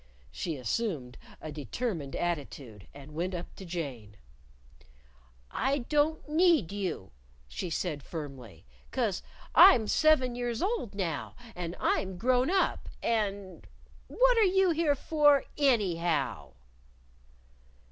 She assumed a determined attitude, and went up to Jane. "I don't need you," she said firmly. "'Cause I'm seven years old now, and I'm grown up. And what are you here for _anyhow?